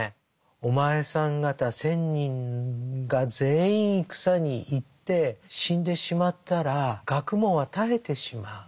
「お前さん方千人が全員戦に行って死んでしまったら学問は絶えてしまう。